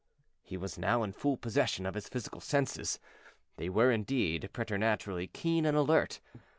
He was now in full possession of his physical senses. They were, indeed, preternaturally keen and alert.